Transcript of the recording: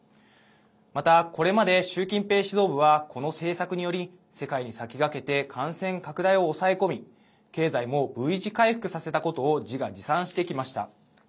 また、これまで習近平指導部はこの政策により世界に先駆けて感染拡大を抑え込み経済もＶ字回復させたことを自画自賛してきました。